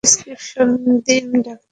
Prescription দিন ডাক্তারসাহেব।